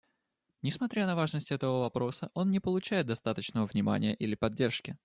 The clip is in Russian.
Несмотря на важность этого вопроса, он не получает достаточного внимания или поддержки.